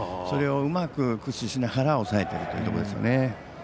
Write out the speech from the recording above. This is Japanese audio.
それをうまく駆使しながら抑えているというところですね。